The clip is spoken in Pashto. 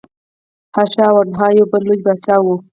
هرشا وردهنا یو بل لوی پاچا و.